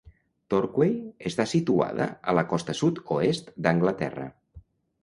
Torquay està situada a la costa sud-oest d'Anglaterra.